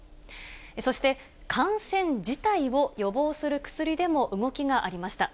そして、感染自体を予防する薬でも動きがありました。